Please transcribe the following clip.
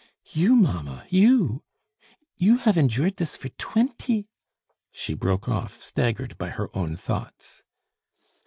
"You, mamma, you! You have endured this for twenty " She broke off, staggered by her own thoughts.